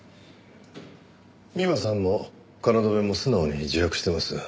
美馬さんも京も素直に自白してます。